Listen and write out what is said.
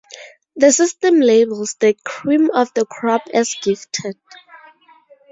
The system labels the cream of the crop as gifted.